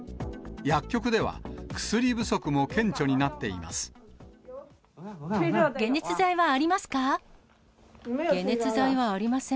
薬局では薬不足も顕著になってい解熱剤はありますか？